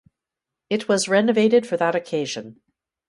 It was renovated for that occasion.